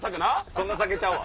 そんな酒ちゃうわ！